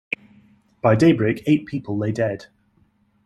By daybreak, eight people lay dead.